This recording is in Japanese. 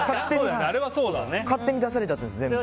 勝手に出されちゃってるんです全部。